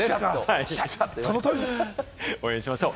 応援しましょう！